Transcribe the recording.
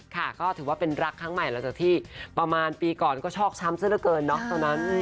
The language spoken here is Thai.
ค่ะก็ถือว่าเป็นรักครั้งใหม่หลังจากที่ประมาณปีก่อนก็ชอกช้ำซะละเกินเนาะตอนนั้น